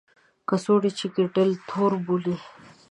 کڅوړه چې کیټل تور بولي.